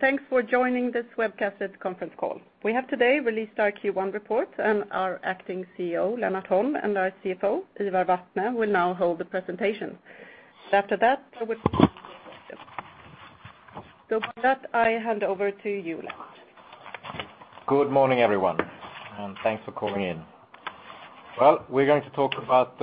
Thanks for joining this webcast and conference call. We have today released our Q1 report and our Acting CEO, Lennart Holm, and our CFO, Ivar Vatne, will now hold the presentation. After that, I will take any questions. With that, I hand over to you, Lennart. Good morning, everyone, and thanks for calling in. Well, we're going to talk about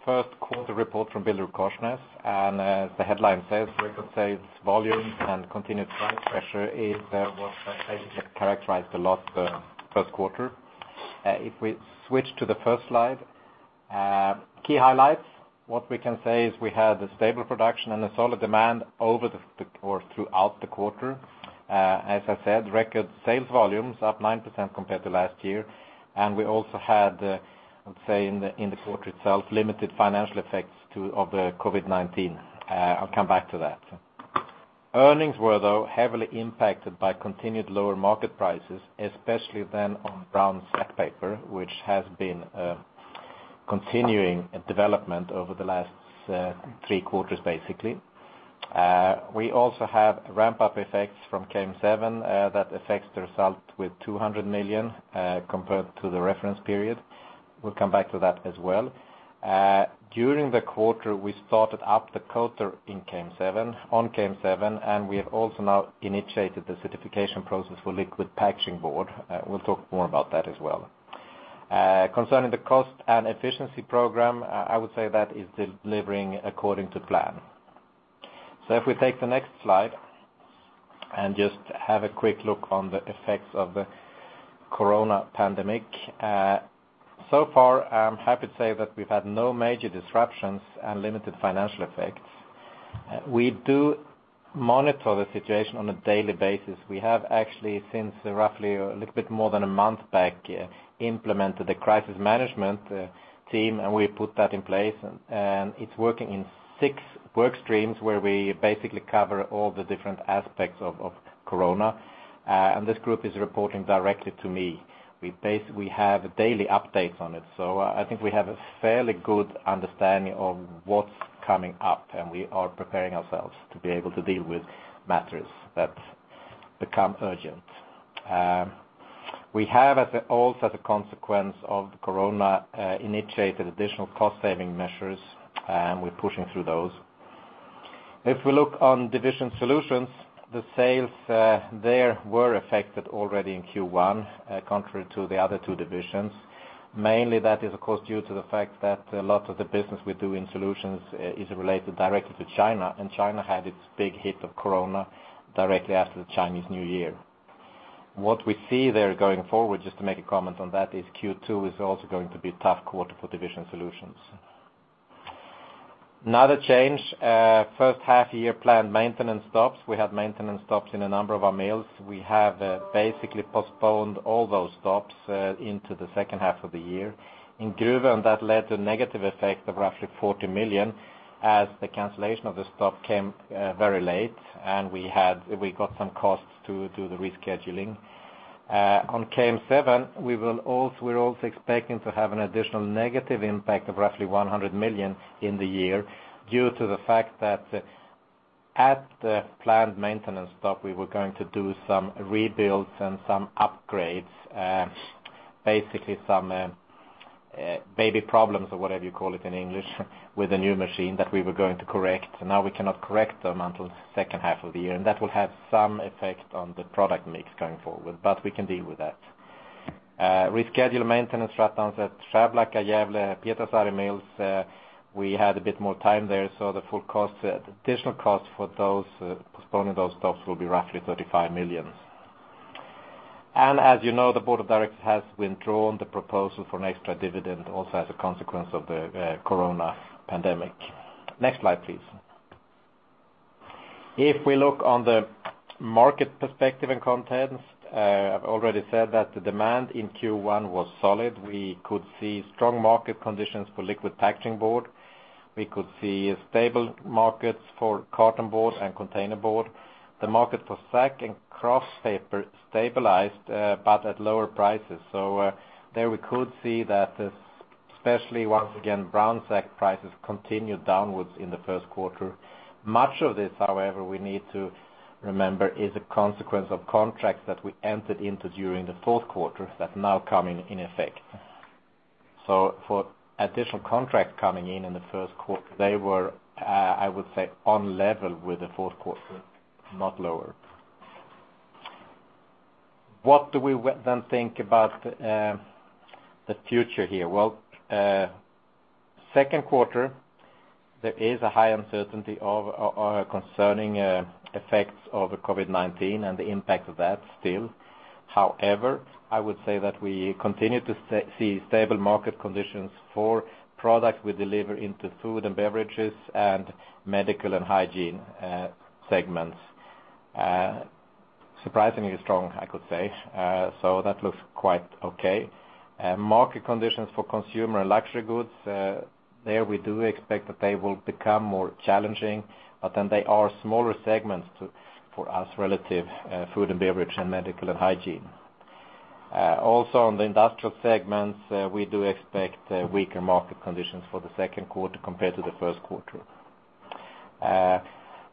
the first quarter report from BillerudKorsnäs, and as the headline says, record sales volumes and continued price pressure is what I think characterized a lot of the first quarter. If we switch to the first slide, key highlights. What we can say is we had a stable production and a solid demand throughout the quarter. As I said, record sales volumes up 9% compared to last year. We also had, I would say, in the quarter itself, limited financial effects of the COVID-19. I'll come back to that. Earnings were heavily impacted by continued lower market prices, especially then on brown sack paper, which has been continuing development over the last three quarters, basically. We also have ramp-up effects from KM7 that affects the result with 200 million compared to the reference period. We'll come back to that as well. During the quarter, we started up the coater on KM7, and we have also now initiated the certification process for liquid packaging board. We'll talk more about that as well. Concerning the cost and efficiency program, I would say that is delivering according to plan. If we take the next slide and just have a quick look on the effects of the COVID-19 pandemic. So far, I'm happy to say that we've had no major disruptions and limited financial effects. We do monitor the situation on a daily basis. We have actually, since roughly a little bit more than a month back, implemented the crisis management team, and we put that in place, and it's working in six work streams where we basically cover all the different aspects of COVID-19. This group is reporting directly to me. We have daily updates on it. I think we have a fairly good understanding of what's coming up, and we are preparing ourselves to be able to deal with matters that become urgent. We have also, as a consequence of COVID-19, initiated additional cost-saving measures, and we're pushing through those. If we look on Division Solutions, the sales there were affected already in Q1, contrary to the other two divisions. Mainly, that is, of course, due to the fact that a lot of the business we do in Solutions is related directly to China, and China had its big hit of COVID-19 directly after the Chinese New Year. What we see there going forward, just to make a comment on that, is Q2 is also going to be a tough quarter for Division Solutions. Another change, first half year planned maintenance stops. We had maintenance stops in a number of our mills. We have basically postponed all those stops into the second half of the year. In Gruvön, that led to a negative effect of roughly 40 million as the cancellation of the stop came very late, and we got some costs to do the rescheduling. On KM7, we're also expecting to have an additional negative impact of roughly 100 million in the year due to the fact that at the planned maintenance stop, we were going to do some rebuilds and some upgrades. Some baby problems, or whatever you call it in English, with the new machine that we were going to correct. Now we cannot correct them until the second half of the year, and that will have some effect on the product mix going forward, but we can deal with that. Reschedule maintenance shutdowns at Skärblacka, Gävle, Pietarsaari mills. We had a bit more time there, so the additional cost for postponing those stops will be roughly 35 million. As you know, the board of directors has withdrawn the proposal for an extra dividend also as a consequence of the COVID-19 pandemic. Next slide, please. If we look on the market perspective and content, I've already said that the demand in Q1 was solid. We could see strong market conditions for liquid packaging board. We could see stable markets for cartonboard and containerboard. The market for sack and kraft paper stabilized, but at lower prices. There we could see that, especially once again, brown sack prices continued downwards in the first quarter. Much of this, however, we need to remember, is a consequence of contracts that we entered into during the fourth quarter that are now coming in effect. For additional contracts coming in the first quarter, they were, I would say, on level with the fourth quarter, not lower. What do we think about the future here? Well, second quarter, there is a high uncertainty concerning effects of COVID-19 and the impact of that still. I would say that we continue to see stable market conditions for products we deliver into food and beverages and medical and hygiene segments. Surprisingly strong, I could say. That looks quite okay. Market conditions for consumer and luxury goods, there we do expect that they will become more challenging. They are smaller segments for us relative food and beverage and medical and hygiene. Also on the industrial segments, we do expect weaker market conditions for the second quarter compared to the first quarter.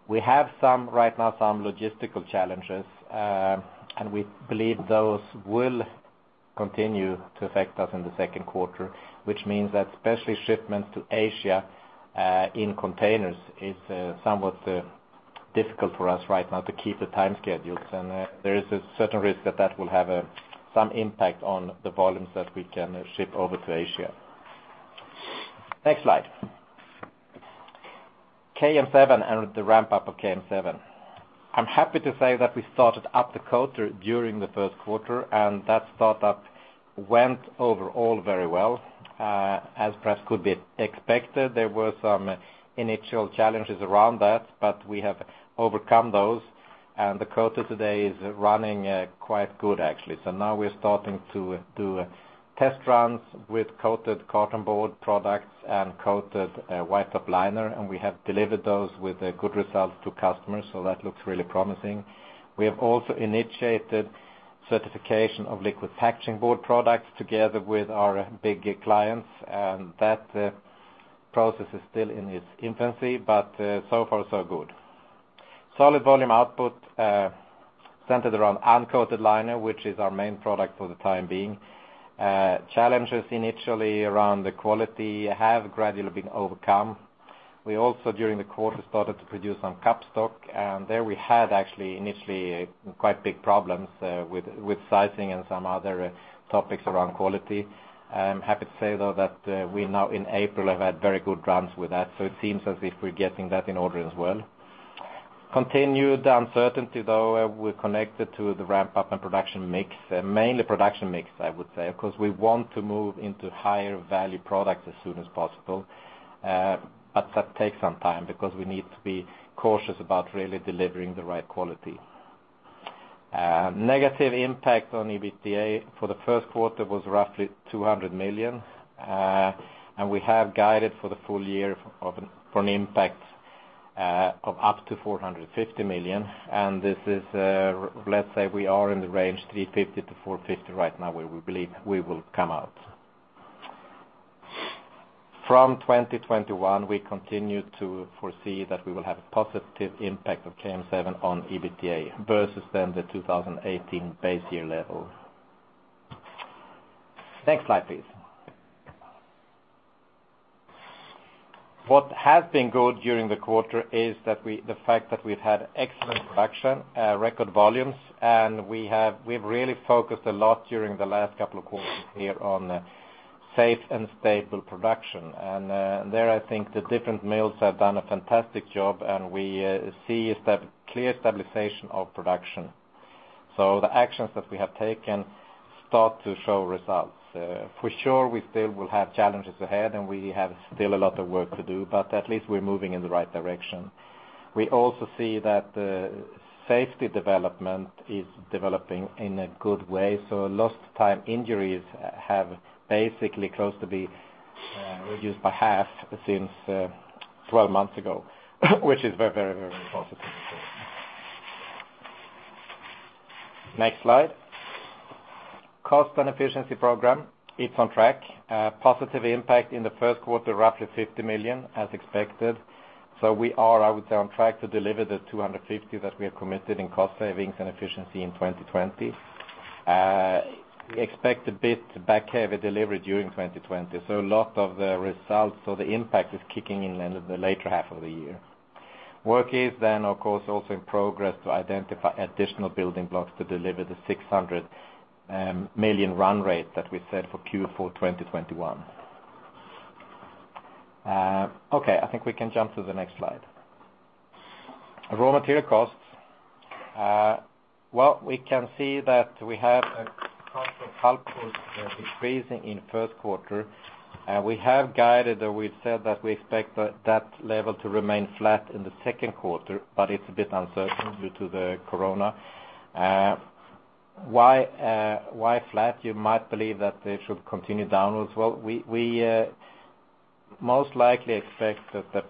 We have right now some logistical challenges, and we believe those will continue to affect us in the second quarter, which means that especially shipments to Asia in containers is somewhat difficult for us right now to keep the time schedules. There is a certain risk that that will have some impact on the volumes that we can ship over to Asia. Next slide. KM7 and the ramp-up of KM7. I'm happy to say that we started up the coater during the first quarter, and that start-up went overall very well. As perhaps could be expected, there were some initial challenges around that, but we have overcome those, and the coater today is running quite good, actually. Now we're starting to do test runs with coated cartonboard products and coated white top liner, and we have delivered those with good results to customers, so that looks really promising. We have also initiated certification of liquid packaging board products together with our big clients. That process is still in its infancy, but so far so good. Solid volume output centered around uncoated liner, which is our main product for the time being. Challenges initially around the quality have gradually been overcome. We also, during the quarter, started to produce some cup stock, and there we had actually initially quite big problems with sizing and some other topics around quality. I'm happy to say, though, that we now in April have had very good runs with that, so it seems as if we're getting that in order as well. Continued uncertainty, though, connected to the ramp-up and production mix, mainly production mix, I would say, because we want to move into higher value products as soon as possible. That takes some time because we need to be cautious about really delivering the right quality. Negative impact on EBITDA for the first quarter was roughly 200 million, and we have guided for the full year for an impact of up to 450 million. Let's say we are in the range 350-450 right now, where we believe we will come out. From 2021, we continue to foresee that we will have a positive impact of KM7 on EBITDA versus the 2018 base year level. Next slide, please. What has been good during the quarter is the fact that we've had excellent production, record volumes, and we've really focused a lot during the last couple of quarters here on safe and stable production. There, I think the different mills have done a fantastic job, and we see a clear stabilization of production. The actions that we have taken start to show results. For sure, we still will have challenges ahead, and we have still a lot of work to do, but at least we're moving in the right direction. We also see that safety development is developing in a good way, lost time injuries have basically close to be reduced by half since 12 months ago, which is very, very positive. Next slide. Cost and efficiency program, it's on track. Positive impact in the first quarter, roughly 50 million as expected. We are, I would say, on track to deliver the 250 that we have committed in cost savings and efficiency in 2020. Expect a bit back-heavy delivery during 2020. A lot of the results of the impact is kicking in the later half of the year. Work is then, of course, also in progress to identify additional building blocks to deliver the 600 million run rate that we said for Q4 2021. Okay, I think we can jump to the next slide. Raw material costs. We can see that we have a tons of pulpwood decreasing in the first quarter. We have guided, we've said that we expect that level to remain flat in the second quarter, but it's a bit uncertain due to COVID-19. Why flat? You might believe that they should continue downwards. We most likely expect that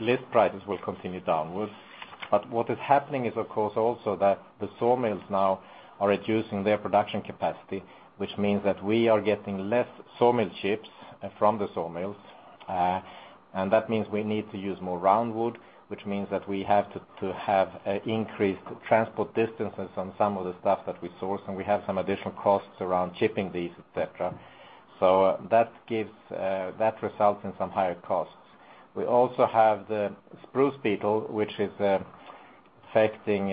list prices will continue downwards. What is happening is, of course, also that the sawmills now are reducing their production capacity, which means that we are getting less sawmill chips from the sawmills, and that means we need to use more round wood, which means that we have to have increased transport distances on some of the stuff that we source, and we have some additional costs around shipping these, et cetera. That results in some higher costs. We also have the spruce beetle, which is affecting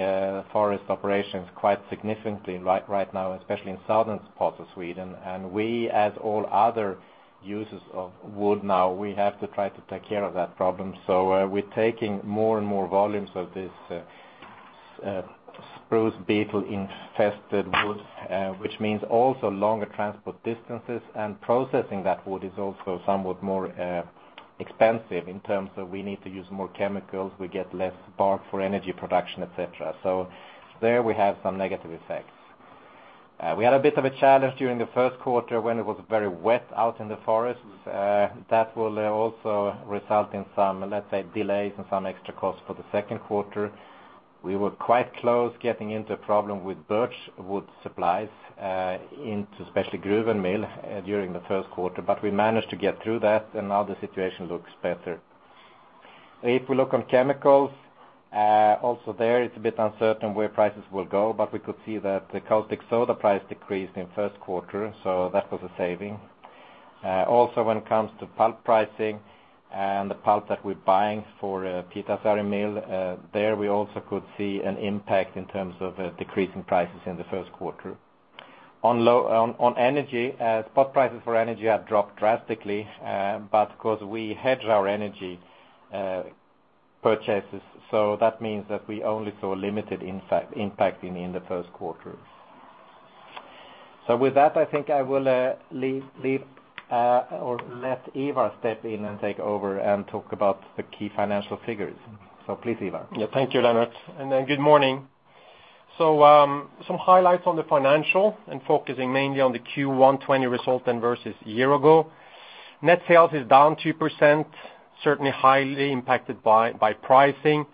forest operations quite significantly right now, especially in southern parts of Sweden. We, as all other users of wood now, we have to try to take care of that problem. We're taking more and more volumes of this spruce beetle-infested wood, which means also longer transport distances. Processing that wood is also somewhat more expensive in terms of we need to use more chemicals, we get less bark for energy production, et cetera. There we have some negative effects. We had a bit of a challenge during the first quarter when it was very wet out in the forest. That will also result in some, let's say, delays and some extra costs for the second quarter. We were quite close getting into a problem with birch wood supplies, into especially Gruvön mill during the first quarter, but we managed to get through that and now the situation looks better. If we look on chemicals, also there it's a bit uncertain where prices will go, but we could see that the caustic soda price decreased in first quarter, so that was a saving. When it comes to pulp pricing and the pulp that we're buying for Pietarsaari mill, there we also could see an impact in terms of a decrease in prices in the first quarter. On energy, spot prices for energy have dropped drastically, but because we hedge our energy purchases, so that means that we only saw limited impact in the first quarter. With that, I think I will leave or let Ivar step in and take over and talk about the key financial figures. Please, Ivar. Yeah. Thank you, Lennart, and then good morning. Some highlights on the financial and focusing mainly on the Q1 2020 result than versus a year ago. Net sales is down 2%, certainly highly impacted by pricing.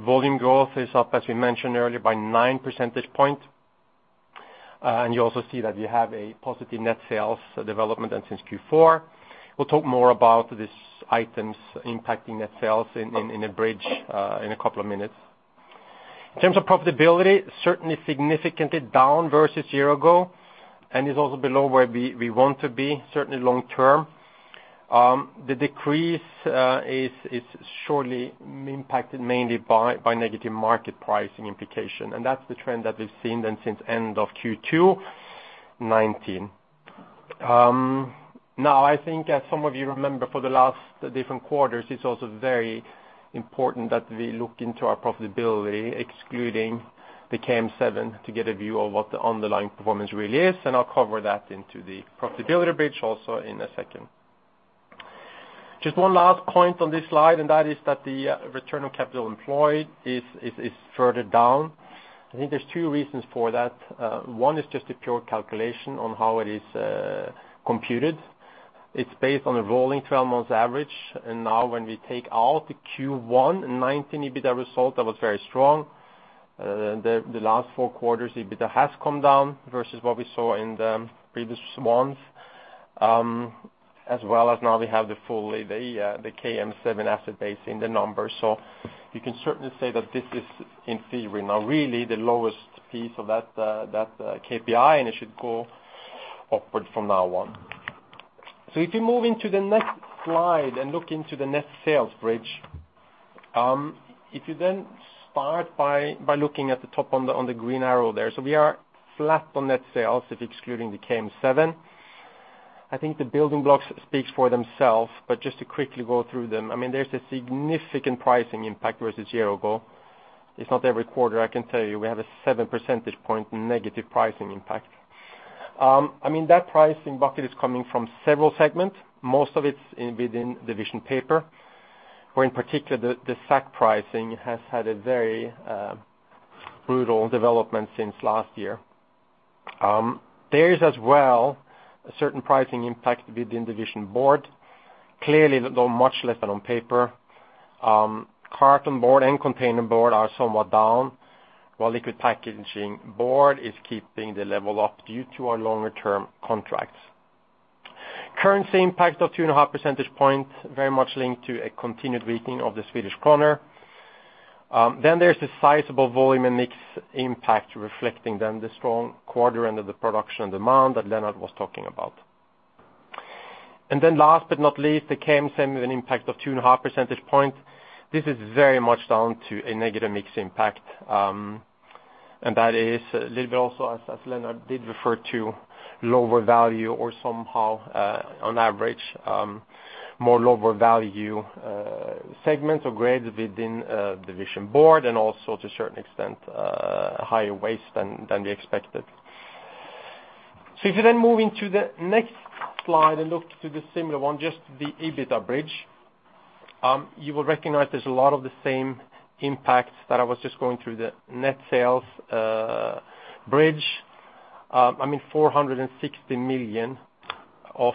Volume growth is up, as we mentioned earlier, by nine percentage point. You also see that you have a positive net sales development than since Q4. We'll talk more about these items impacting net sales in the bridge, in a couple of minutes. In terms of profitability, certainly significantly down versus year ago, and is also below where we want to be, certainly long term. The decrease is surely impacted mainly by negative market pricing implication, and that's the trend that we've seen then since end of Q2 2019. I think as some of you remember for the last different quarters, it's also very important that we look into our profitability excluding the KM7 to get a view of what the underlying performance really is. I'll cover that into the profitability bridge also in a second. One last point on this slide, that is that the return of capital employed is further down. I think there's two reasons for that. One is just a pure calculation on how it is computed. It's based on a rolling 12 months average. Now when we take out the Q1 in 2019, EBITDA result that was very strong. The last four quarters, EBITDA has come down versus what we saw in the previous months, as well as now we have the full KM7 asset base in the numbers. You can certainly say that this is in theory now really the lowest piece of that KPI, and it should go upward from now on. If you move into the next slide and look into the net sales bridge. Start by looking at the top on the green arrow there. We are flat on net sales if excluding the KM7. I think the building blocks speaks for themselves, but just to quickly go through them. There's a significant pricing impact versus year ago. It's not every quarter I can tell you we have a 7 percentage point negative pricing impact. That pricing bucket is coming from several segments. Most of it's within Division Paper, where in particular the sack pricing has had a very brutal development since last year. There is as well a certain pricing impact within Division Board. Clearly, though much less than on paper. Cartonboard and containerboard are somewhat down, while liquid packaging board is keeping the level up due to our longer term contracts. Currency impact of 2.5 percentage points, very much linked to a continued weakening of the Swedish krona. There's the sizable volume and mix impact reflecting then the strong quarter end of the production demand that Lennart was talking about. Last but not least, the KM7 with an impact of 2.5 percentage point. This is very much down to a negative mix impact, and that is a little bit also as Lennart did refer to lower value or somehow, on average, more lower value segments or grades within Division Board and also to a certain extent, higher waste than we expected. If you then move into the next slide and look to the similar one, just the EBITDA bridge. You will recognize there is a lot of the same impacts that I was just going through the net sales bridge. SEK 460 million of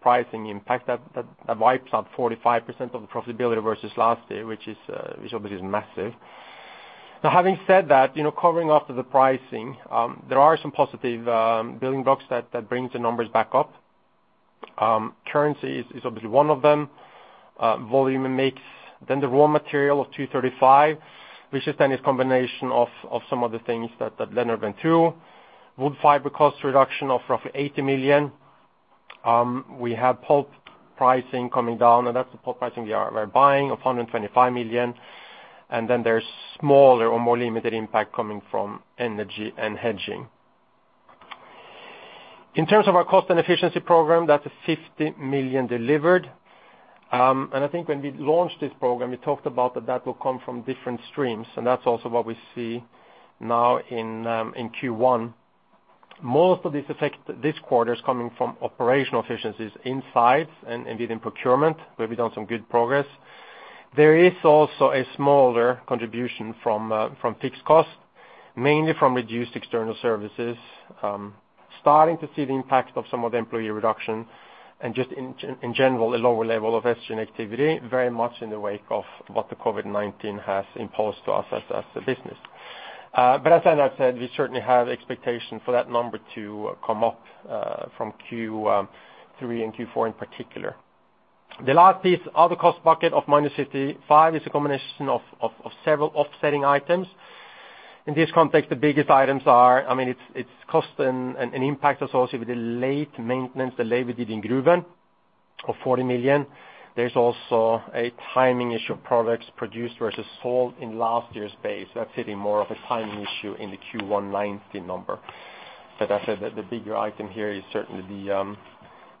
pricing impact. That wipes out 45% of the profitability versus last year, which obviously is massive. Having said that, covering after the pricing, there are some positive building blocks that brings the numbers back up. Currency is obviously one of them. Volume and mix. The raw material of 235 million, which is then this combination of some of the things that Lennart went through. Wood fiber cost reduction of roughly 80 million. We have pulp pricing coming down, and that is the pulp pricing we are buying of 125 million. There is smaller or more limited impact coming from energy and hedging. In terms of our cost and efficiency program, that's a 50 million delivered. I think when we launched this program, we talked about that will come from different streams, and that's also what we see now in Q1. Most of this effect this quarter is coming from operational efficiencies inside and within procurement, where we've done some good progress. There is also a smaller contribution from fixed costs. Mainly from reduced external services. Starting to see the impact of some of the employee reduction, and just in general, a lower level of SG&A activity, very much in the wake of what the COVID-19 has imposed to us as a business. As Lennart said, we certainly have expectation for that number to come up from Q3 and Q4 in particular. The last piece, other cost bucket of minus 55, is a combination of several offsetting items. In this context, the biggest items are, it's cost and impact associated with the late maintenance delay we did in Gruvön of 40 million. There's also a timing issue of products produced versus sold in last year's base. That's hitting more of a timing issue in the Q1 2019 number. As I said, the bigger item here is certainly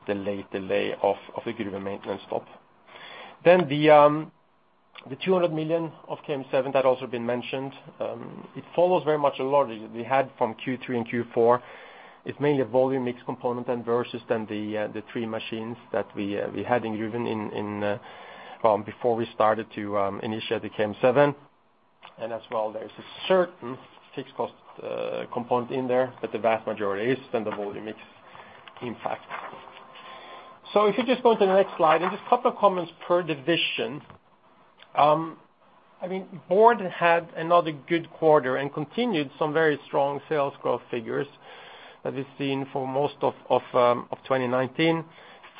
the late delay of the Gruvön maintenance stop. The 200 million of KM7 that also been mentioned. It follows very much a logic we had from Q3 and Q4. It's mainly a volume mix component then versus then the three machines that we had in Gruvön before we started to initiate the KM7. As well, there's a certain fixed cost component in there, but the vast majority is then the volume mix impact. If you just go to the next slide and just couple of comments per division. Board had another good quarter and continued some very strong sales growth figures that we've seen for most of 2019.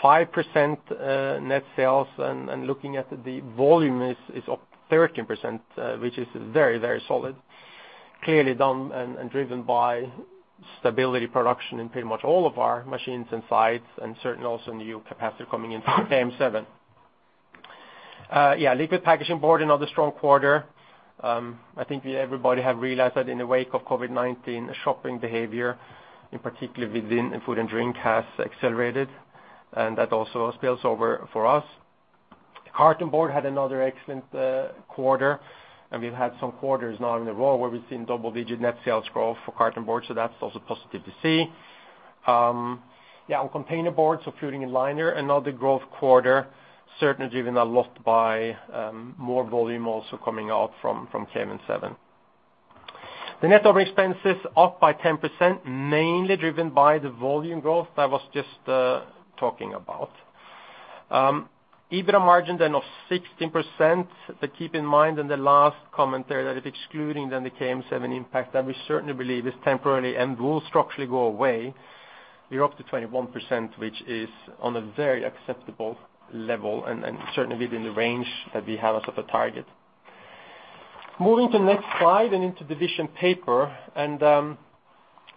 5% net sales, and looking at the volume is up 13%, which is very, very solid. Clearly done and driven by stability production in pretty much all of our machines and sites, and certainly also new capacity coming in from KM7. Yeah, liquid packaging board, another strong quarter. I think everybody have realized that in the wake of COVID-19, shopping behavior, in particularly within food and drink, has accelerated. That also spills over for us. Cartonboard had another excellent quarter, and we've had some quarters now in a row where we've seen double-digit net sales growth for cartonboard, so that's also positive to see. Yeah, on containerboard, so fluting and liner, another growth quarter, certainly driven a lot by more volume also coming out from KM7. The net operating expenses up by 10%, mainly driven by the volume growth I was just talking about. EBITDA margin then of 16%, but keep in mind in the last commentary that it excluding then the KM7 impact that we certainly believe is temporary and will structurally go away. We're up to 21%, which is on a very acceptable level and certainly within the range that we have as of a target. Moving to the next slide and into Division Paper.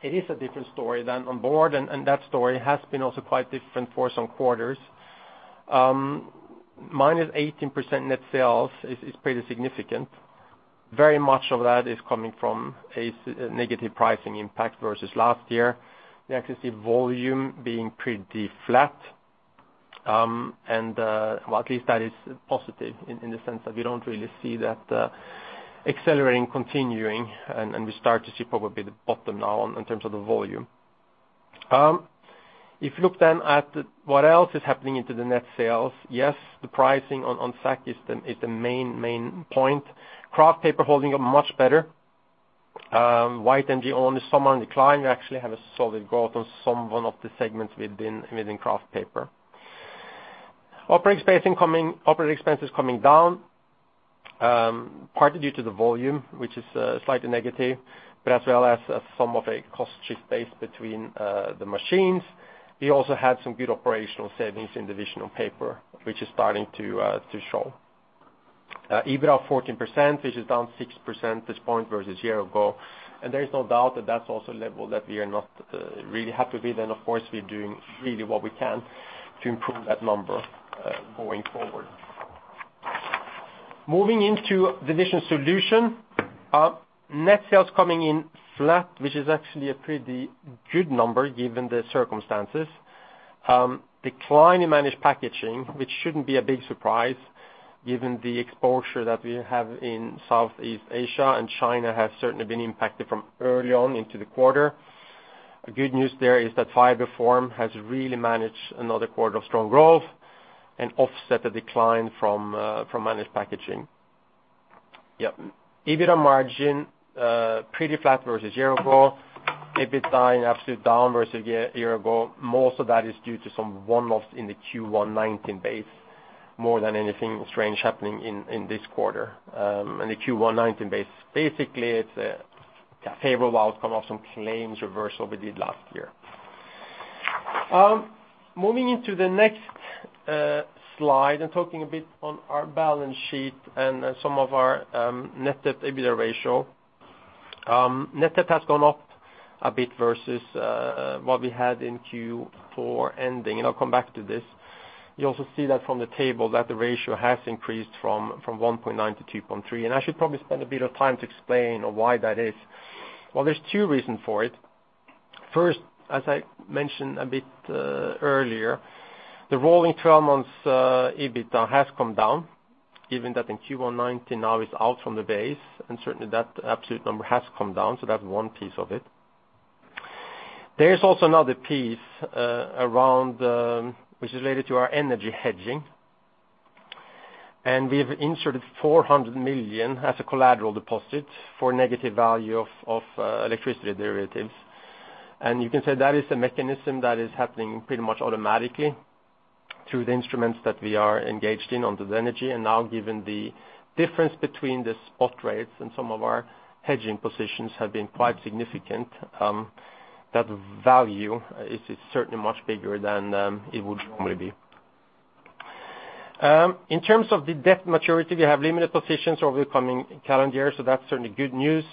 It is a different story than on board, and that story has been also quite different for some quarters. -18% net sales is pretty significant. Very much of that is coming from a negative pricing impact versus last year. You actually see volume being pretty flat. Well, at least that is positive in the sense that we don't really see that accelerating continuing, and we start to see probably the bottom now in terms of the volume. If you look at what else is happening into the net sales, yes, the pricing on sack is the main point. Kraft paper holding up much better. White and neon is somewhat in decline. We actually have a solid growth on some one of the segments within kraft paper. Operating expenses coming down, partly due to the volume, which is slightly negative, but as well as some of a cost shift base between the machines. We also had some good operational savings in Division Paper, which is starting to show. EBITDA of 14%, which is down 6% at this point versus year ago. There's no doubt that that's also a level that we are not really happy with, and of course, we're doing really what we can to improve that number going forward. Moving into Division Solutions. Net sales coming in flat, which is actually a pretty good number given the circumstances. Decline in managed packaging, which shouldn't be a big surprise given the exposure that we have in Southeast Asia and China, have certainly been impacted from early on into the quarter. Good news there is that FibreForm has really managed another quarter of strong growth and offset the decline from managed packaging. Yeah. EBITDA margin pretty flat versus year ago. EBIT down, absolute down versus year ago. Most of that is due to some one-offs in the Q1 2019 base, more than anything strange happening in this quarter. The Q1 2019 base, basically it's a favorable outcome of some claims reversal we did last year. Moving into the next slide and talking a bit on our balance sheet and some of our net debt to EBITDA ratio. Net debt has gone up a bit versus what we had in Q4 ending, and I'll come back to this. You also see that from the table that the ratio has increased from 1.9-2.3, and I should probably spend a bit of time to explain why that is. Well, there's two reasons for it. First, as I mentioned a bit earlier, the rolling 12 months EBITDA has come down, given that in Q1 2019 now is out from the base, and certainly that absolute number has come down, so that's one piece of it. There's also another piece around, which is related to our energy hedging. We've inserted 400 million as a collateral deposit for negative value of electricity derivatives. You can say that is a mechanism that is happening pretty much automatically through the instruments that we are engaged in under the energy. Now, given the difference between the spot rates and some of our hedging positions have been quite significant. That value is certainly much bigger than it would normally be. In terms of the debt maturity, we have limited positions over the coming calendar year, so that's certainly good news.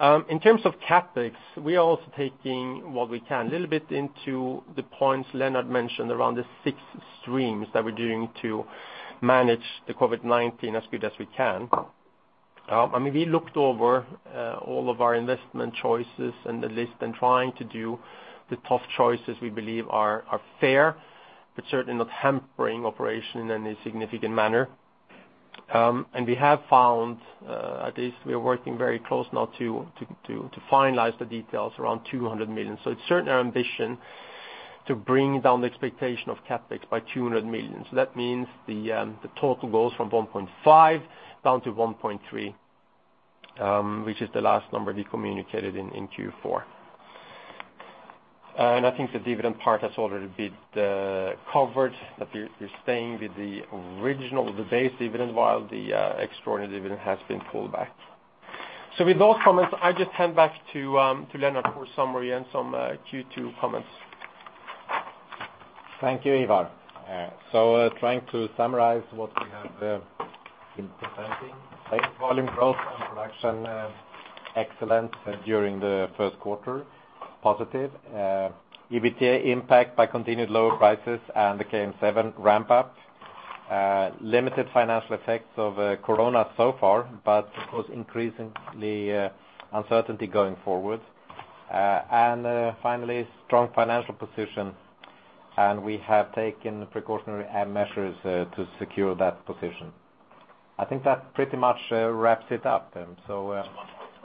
In terms of CapEx, we are also taking what we can. A little bit into the points Lennart mentioned around the six streams that we're doing to manage the COVID-19 as good as we can. We looked over all of our investment choices and the list and trying to do the tough choices we believe are fair, but certainly not hampering operation in any significant manner. We have found, at least we are working very close now to finalize the details, around 200 million. It's certainly our ambition to bring down the expectation of CapEx by 200 million. That means the total goes from 1.5 billion down to 1.3 billion, which is the last number we communicated in Q4. I think the dividend part has already been covered, that we're staying with the original, the base dividend, while the extraordinary dividend has been pulled back. With those comments, I just hand back to Lennart for summary and some Q2 comments. Thank you, Ivar. Trying to summarize what we have been presenting. Volume growth and production excellent during the first quarter. Positive EBITDA impact by continued lower prices and the KM7 ramp-up. Limited financial effects of COVID-19 so far, but of course, increasingly uncertainty going forward. Finally, strong financial position, and we have taken precautionary measures to secure that position. I think that pretty much wraps it up then.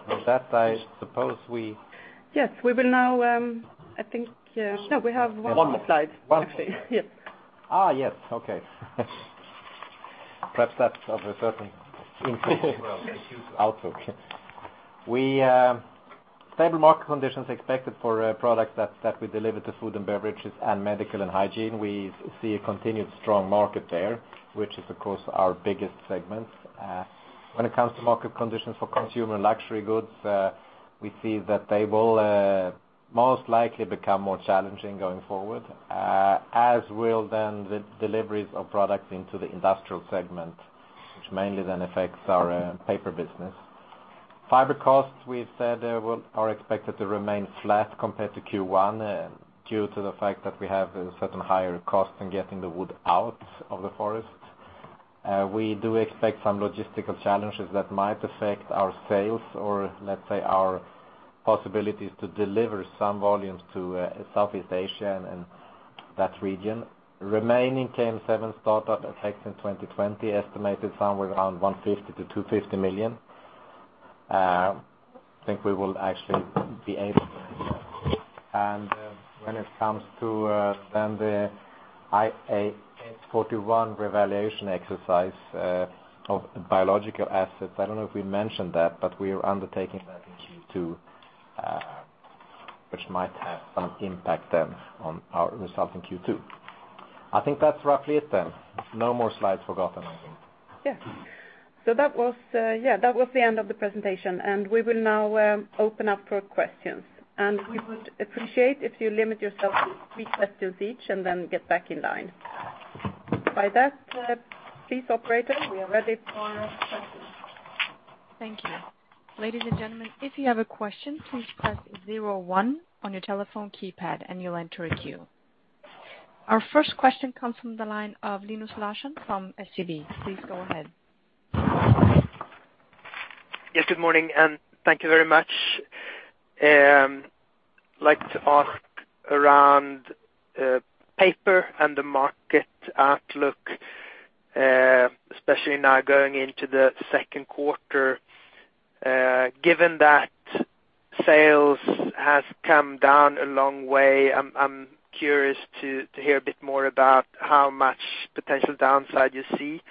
With that, I suppose we- Yes. We will now, No, we have one more slide. One more. Actually, yep. Yes. Okay. Perhaps that's of a certain- Well, thank you. outlook. Stable market conditions expected for products that we deliver to food and beverages, and medical and hygiene. We see a continued strong market there, which is, of course, our biggest segment. When it comes to market conditions for consumer and luxury goods, we see that they will most likely become more challenging going forward, as will then the deliveries of products into the industrial segment, which mainly then affects our paper business. Fiber costs, we've said are expected to remain flat compared to Q1 due to the fact that we have certain higher costs in getting the wood out of the forest. We do expect some logistical challenges that might affect our sales or, let's say, our possibilities to deliver some volumes to Southeast Asia and that region. Remaining KM7 startup effects in 2020 estimated somewhere around 150 million-250 million. I think we will actually be able to do that. When it comes to then the IAS 41 revaluation exercise of biological assets, I don't know if we mentioned that, but we are undertaking that in Q2, which might have some impact then on our results in Q2. I think that's roughly it then. No more slides forgotten, I think. Yeah. That was the end of the presentation, and we will now open up for questions. We would appreciate if you limit yourself to three questions each, and then get back in line. By that, please, operator, we are ready for questions. Thank you. Ladies and gentlemen, if you have a question, please press zero one on your telephone keypad and you'll enter a queue. Our first question comes from the line of Linus Larsson from SEB. Please go ahead. Yes, good morning, and thank you very much. I'd like to ask around paper and the market outlook, especially now going into the second quarter. Given that sales has come down a long way, I'm curious to hear a bit more about how much potential downside you see.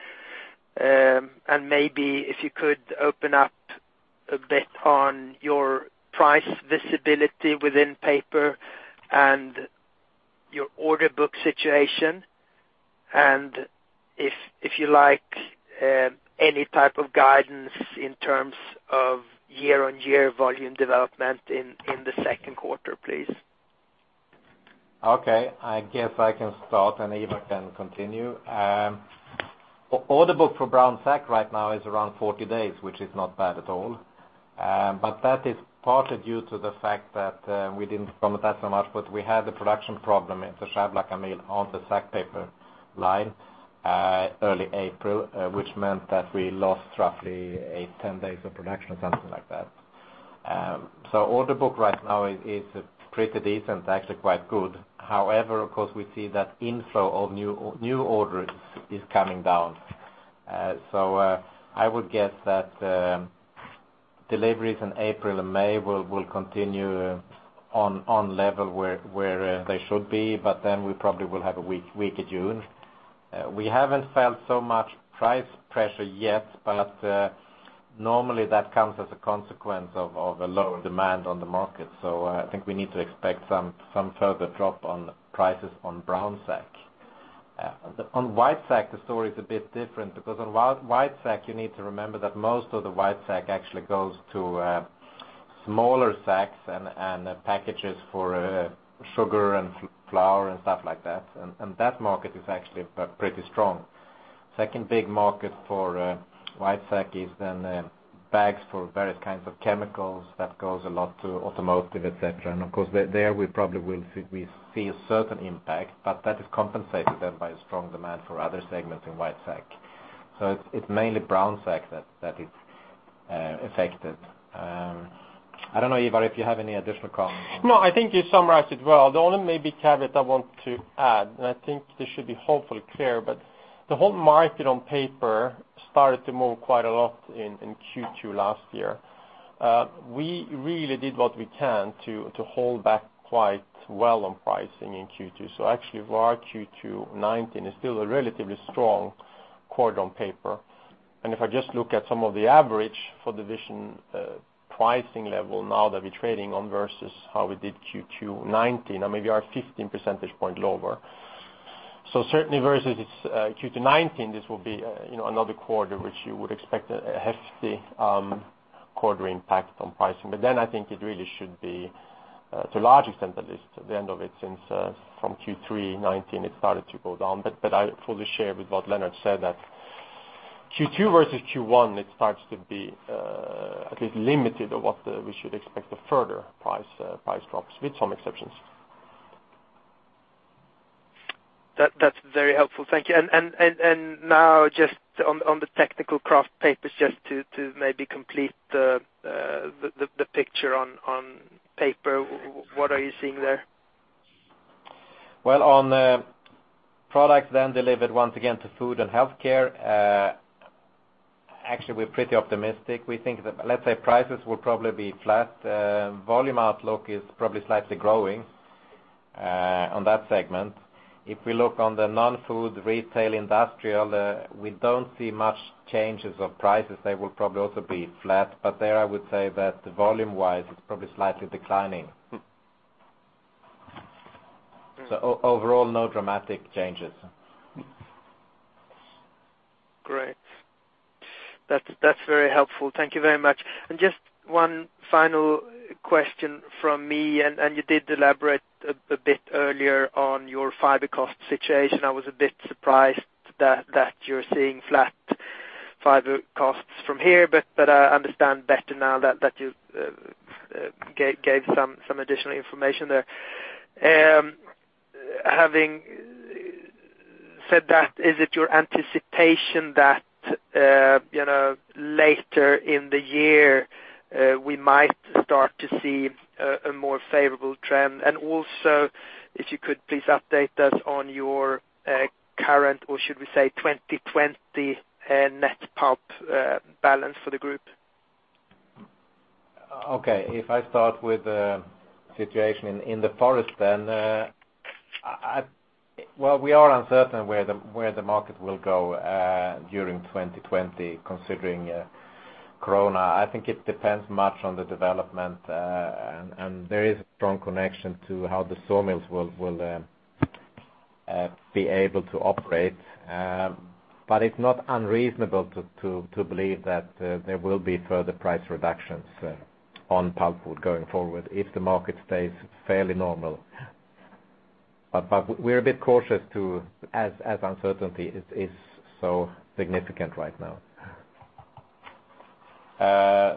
Maybe if you could open up a bit on your price visibility within paper and your order book situation. If you like, any type of guidance in terms of year-on-year volume development in the second quarter, please. Okay. I guess I can start, and Ivar can continue. Order book for brown sack right now is around 40 days, which is not bad at all. That is partly due to the fact that we didn't promise that so much, but we had a production problem in the Skärblacka mill on the sack paper line early April, which meant that we lost roughly eight, 10 days of production, something like that. Order book right now is pretty decent, actually quite good. However, of course, we see that inflow of new orders is coming down. I would guess that deliveries in April and May will continue on level where they should be, but then we probably will have a weaker June. We haven't felt so much price pressure yet, but normally that comes as a consequence of a low demand on the market. I think we need to expect some further drop on prices on brown sack. On white sack, the story is a bit different, because on white sack, you need to remember that most of the white sack actually goes to smaller sacks and packages for sugar and flour and stuff like that. Second big market for white sack is then bags for various kinds of chemicals. That goes a lot to automotive, et cetera. Of course, there we probably will see a certain impact, but that is compensated then by a strong demand for other segments in white sack. It's mainly brown sack that is affected. I don't know, Ivar, if you have any additional comments on that. No, I think you summarized it well. The only maybe caveat I want to add, and I think this should be hopefully clear, the whole market on paper started to move quite a lot in Q2 last year. We really did what we can to hold back quite well on pricing in Q2. Actually, our Q2 2019 is still a relatively strong quarter on paper. If I just look at some of the average for division pricing level now that we're trading on versus how we did Q2 2019, maybe we are 15 percentage point lower. Certainly versus Q2 2019, this will be another quarter which you would expect a hefty quarter impact on pricing. I think it really should be to a large extent at least the end of it since from Q3 2019 it started to go down. I fully share with what Lennart said that Q2 versus Q1, it starts to be at least limited on what we should expect the further price drops, with some exceptions. That's very helpful. Thank you. Now just on the technical kraft papers, just to maybe complete the picture on paper. What are you seeing there? Well, on products delivered once again to food and healthcare, actually, we're pretty optimistic. We think that, let's say, prices will probably be flat. Volume outlook is probably slightly growing on that segment. If we look on the non-food, retail, industrial, we don't see much changes of prices. They will probably also be flat, there I would say that volume wise, it's probably slightly declining. Overall, no dramatic changes. Great. That's very helpful. Thank you very much. Just one final question from me, and you did elaborate a bit earlier on your fiber cost situation. I was a bit surprised that you're seeing flat fiber costs from here, but I understand better now that you gave some additional information there. Having said that, is it your anticipation that later in the year, we might start to see a more favorable trend? Also, if you could please update us on your current, or should we say 2020 net pulp balance for the group? Okay. If I start with the situation in the forest, well, we are uncertain where the market will go during 2020, considering COVID-19. I think it depends much on the development, there is a strong connection to how the sawmills will be able to operate. It's not unreasonable to believe that there will be further price reductions on pulp wood going forward if the market stays fairly normal. We're a bit cautious too, as uncertainty is so significant right now. Yeah.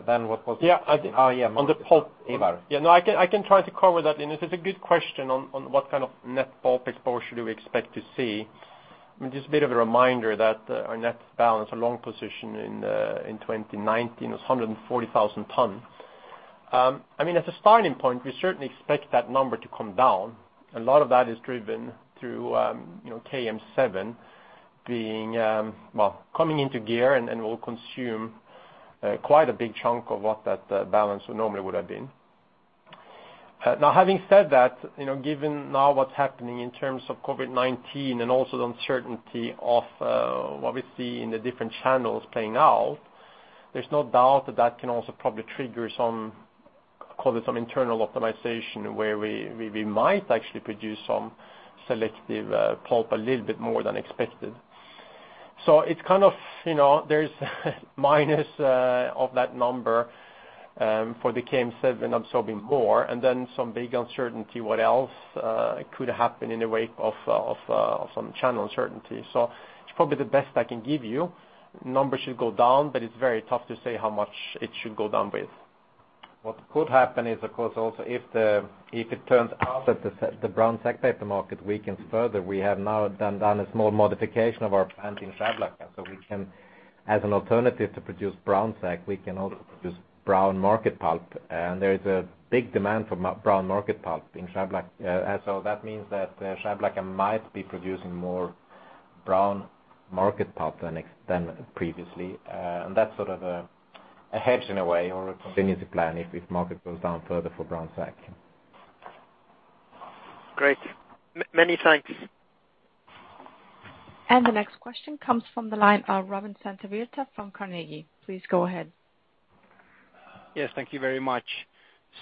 Oh, yeah. On the pulp. Ivar. Yeah, no, I can try to cover that, and it is a good question on what kind of net pulp exposure do we expect to see? Just a bit of a reminder that our net balance or long position in 2019 was 140,000 tons. As a starting point, we certainly expect that number to come down. A lot of that is driven through KM7 coming into gear and will consume quite a big chunk of what that balance normally would have been. Now, having said that, given now what's happening in terms of COVID-19 and also the uncertainty of what we see in the different channels playing out, there's no doubt that that can also probably trigger some, call it some internal optimization, where we might actually produce some selective pulp, a little bit more than expected. There's minus of that number for the KM7 absorbing more, and then some big uncertainty what else could happen in the wake of some channel uncertainty. It's probably the best I can give you. Number should go down, but it's very tough to say how much it should go down with. What could happen is, of course, also if it turns out that the brown sack paper market weakens further, we have now done a small modification of our plant in Skärblacka, so we can, as an alternative to produce brown sack, we can also produce brown market pulp, and there is a big demand for brown market pulp in Skärblacka. That means that Skärblacka might be producing more brown market pulp than previously. That's sort of a hedge in a way or a contingency plan if the market goes down further for brown sack. Great. Many thanks. The next question comes from the line, Robin Santavirta from Carnegie. Please go ahead. Yes, thank you very much.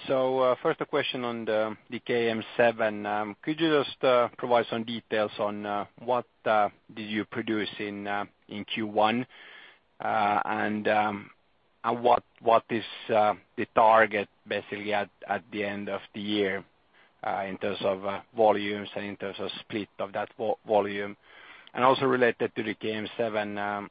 First a question on the KM7. Could you just provide some details on what did you produce in Q1? What is the target, basically, at the end of the year, in terms of volumes and in terms of split of that volume? Also related to the KM7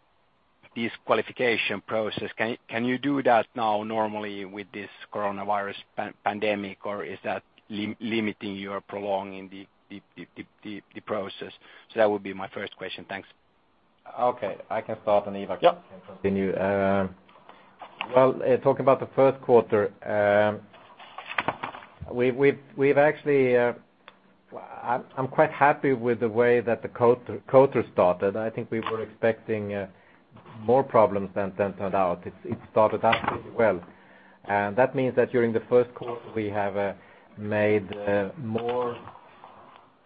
disqualification process, can you do that now normally with this coronavirus pandemic, or is that limiting your prolonging the process? That would be my first question. Thanks. Okay. I can start and Ivar- Yeah can continue. Talking about the first quarter, I'm quite happy with the way that the coater started. I think we were expecting more problems than turned out. It started up pretty well. That means that during the first quarter, we have made more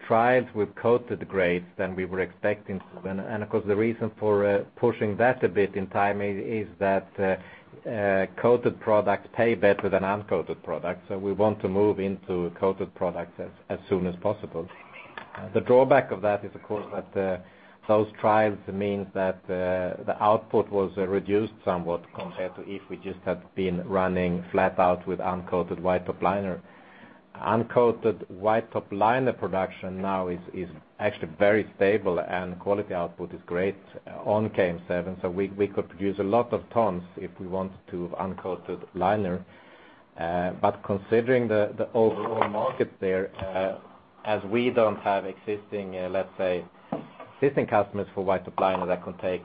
trials with coated grades than we were expecting to. Of course, the reason for pushing that a bit in time is that coated products pay better than uncoated products. We want to move into coated products as soon as possible. The drawback of that is, of course, that those trials means that the output was reduced somewhat compared to if we just had been running flat out with uncoated white top kraftliner. Uncoated white top kraftliner production now is actually very stable, and quality output is great on KM7. We could produce a lot of tons if we wanted to of uncoated liner. Considering the overall market there, as we don't have existing customers for white top kraftliner that can take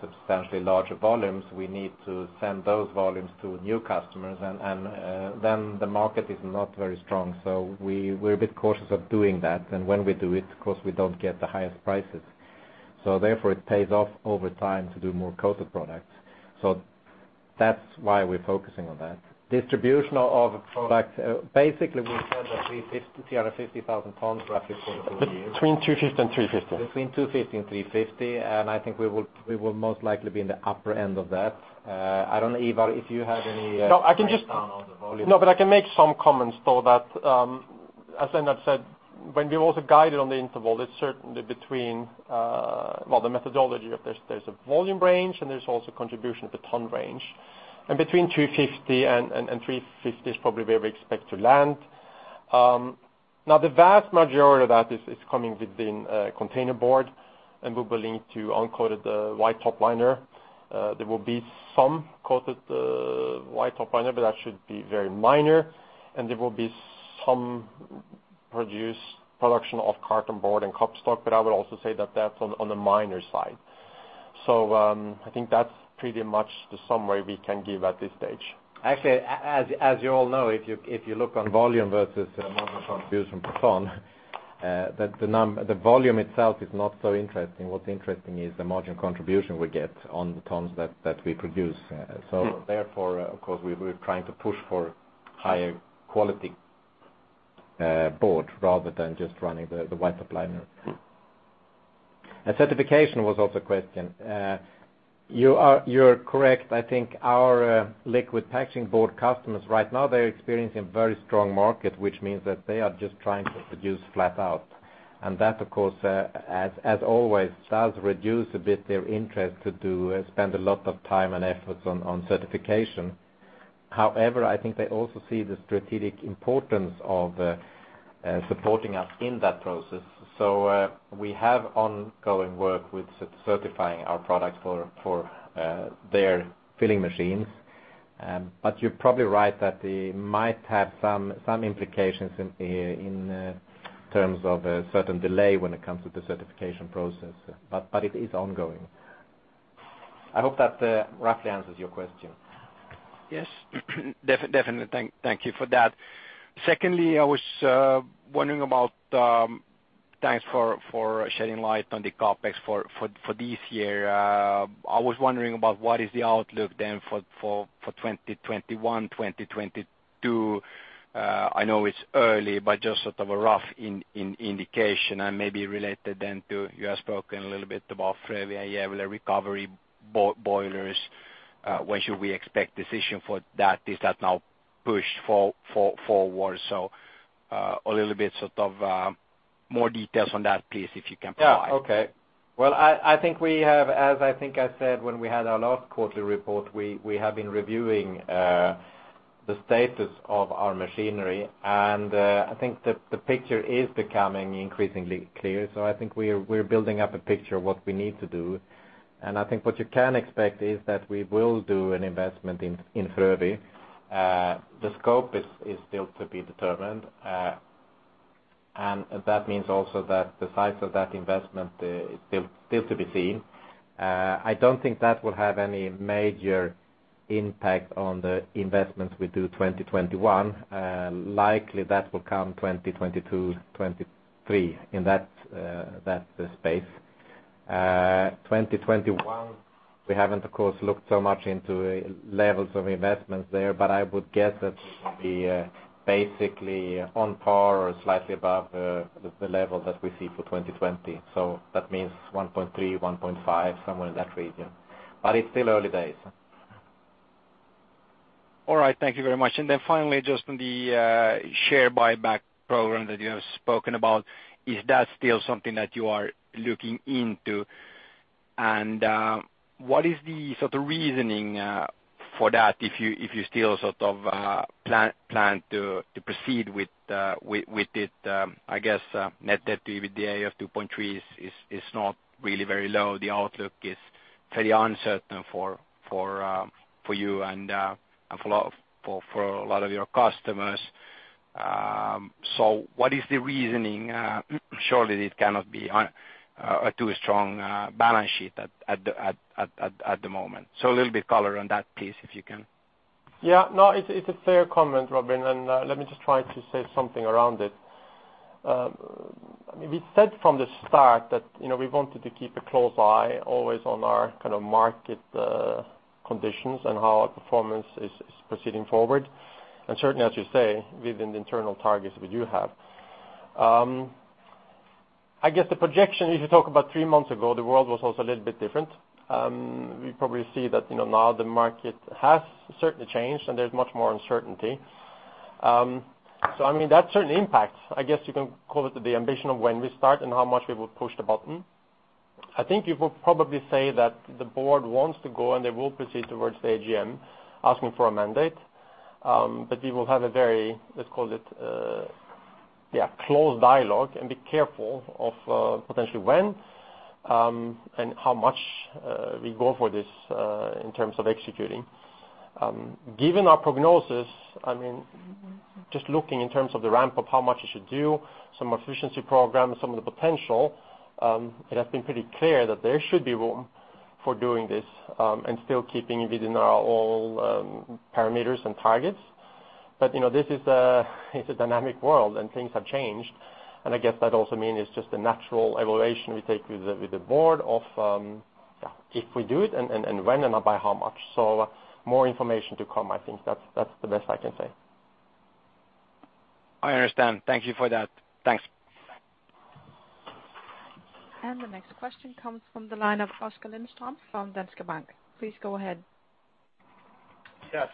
substantially larger volumes, we need to send those volumes to new customers. The market is not very strong. We're a bit cautious of doing that. When we do it, of course, we don't get the highest prices. Therefore, it pays off over time to do more coated products. That's why we're focusing on that. Distribution of products, basically we said that 350,000 tons roughly for the year. Between 250,000 and 350,000. Between 250,000 and 350,000, and I think we will most likely be in the upper end of that. I don't know, Ivar, if you have any- No, I can just- breakdown on the volume. I can make some comments, though, that as Lennart said, when we also guided on the interval, it's certainly between. Well, the methodology, there's a volume range and there's also contribution of the ton range. Between 250,000 and 350,000 is probably where we expect to land. Now, the vast majority of that is coming within containerboard and will be linked to uncoated white top liner. There will be some Coated white top liner, that should be very minor. There will be some production of cartonboard and cup stock, I would also say that that's on the minor side. I think that's pretty much the summary we can give at this stage. Actually, as you all know, if you look on volume versus margin contribution per ton, the volume itself is not so interesting. What's interesting is the margin contribution we get on the tons that we produce. Therefore, of course, we're trying to push for higher quality board rather than just running the white top kraftliner. Certification was also a question. You're correct. I think our liquid packaging board customers right now, they're experiencing very strong market, which means that they are just trying to produce flat out. That, of course, as always, does reduce a bit their interest to do spend a lot of time and efforts on certification. However, I think they also see the strategic importance of supporting us in that process. We have ongoing work with certifying our products for their filling machines. You're probably right that it might have some implications in terms of certain delay when it comes to the certification process. It is ongoing. I hope that roughly answers your question. Yes. Definitely. Thank you for that. Secondly, Thanks for shedding light on the CapEx for this year. I was wondering about what is the outlook then for 2021, 2022? I know it's early, but just sort of a rough indication and maybe related then to, you have spoken a little bit about Frövi annual recovery boilers. When should we expect decision for that? Is that now pushed forward? A little bit sort of more details on that, please, if you can provide. Yeah. Okay. Well, I think we have, as I think I said when we had our last quarterly report, we have been reviewing the status of our machinery, and I think the picture is becoming increasingly clear. I think we're building up a picture of what we need to do, and I think what you can expect is that we will do an investment in Frövi. The scope is still to be determined. That means also that the size of that investment is still to be seen. I don't think that will have any major impact on the investments we do 2021. Likely that will come 2022, 2023, in that space. 2021, we haven't, of course, looked so much into levels of investments there, but I would guess that we should be basically on par or slightly above the level that we see for 2020. That means 1.3-1.5, somewhere in that region. But it's still early days. All right. Thank you very much. Then finally, just on the share buyback program that you have spoken about, is that still something that you are looking into? What is the reasoning for that if you still sort of plan to proceed with it? I guess net debt EBITDA of 2.3 is not really very low. The outlook is fairly uncertain for you and for a lot of your customers. What is the reasoning? Surely it cannot be a too strong balance sheet at the moment. A little bit color on that, please, if you can. Yeah. No, it's a fair comment, Robin, and let me just try to say something around it. We said from the start that we wanted to keep a close eye always on our market conditions and how our performance is proceeding forward. Certainly, as you say, within the internal targets we do have. I guess the projection, if you talk about three months ago, the world was also a little bit different. We probably see that now the market has certainly changed and there's much more uncertainty. That certainly impacts, I guess you can call it, the ambition of when we start and how much we would push the button. I think you would probably say that the board wants to go, and they will proceed towards the AGM asking for a mandate. We will have a very, let's call it, close dialogue and be careful of potentially when, and how much we go for this in terms of executing. Given our prognosis, just looking in terms of the ramp up, how much it should do, some efficiency program, some of the potential, it has been pretty clear that there should be room for doing this, and still keeping within our parameters and targets. This is a dynamic world and things have changed. I guess that also means it's just a natural evaluation we take with the board of if we do it and when, and by how much. More information to come. I think that's the best I can say. I understand. Thank you for that. Thanks. The next question comes from the line of Oskar Lindström from Danske Bank. Please go ahead. Yes.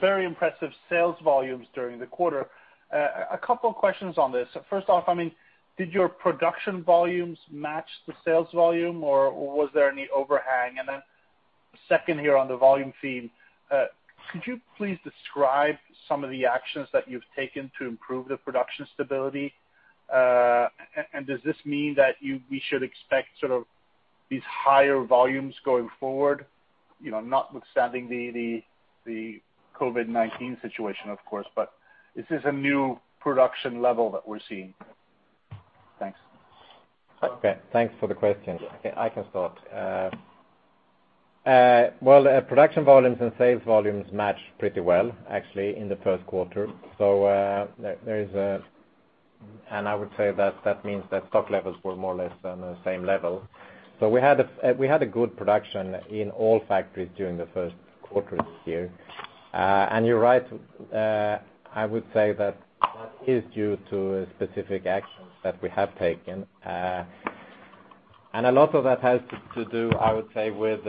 Very impressive sales volumes during the quarter. A couple of questions on this. First off, did your production volumes match the sales volume, or was there any overhang? Second here on the volume theme, could you please describe some of the actions that you've taken to improve the production stability? Does this mean that we should expect these higher volumes going forward, notwithstanding the COVID-19 situation, of course, but is this a new production level that we're seeing? Thanks. Okay. Thanks for the question. I can start. Well, production volumes and sales volumes match pretty well, actually, in the first quarter. I would say that means that stock levels were more or less on the same level. We had a good production in all factories during the first quarter this year. You're right, I would say that that is due to specific actions that we have taken. A lot of that has to do, I would say, with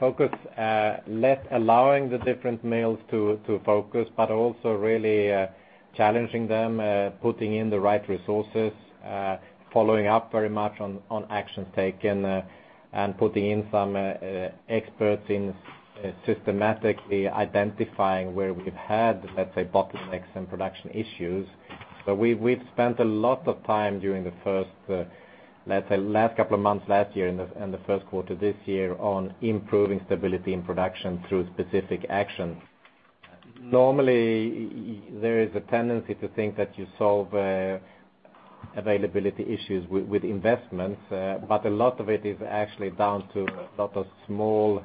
focus, less allowing the different mills to focus, but also really challenging them, putting in the right resources, following up very much on actions taken, and putting in some experts in systematically identifying where we've had, let's say, bottlenecks and production issues. We've spent a lot of time during the first, let's say, last couple of months last year and the first quarter this year on improving stability and production through specific actions. Normally, there is a tendency to think that you solve availability issues with investments, but a lot of it is actually down to a lot of small